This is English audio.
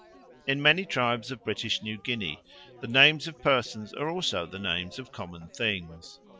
In many tribes of British New Guinea the names of persons are also the names of common things.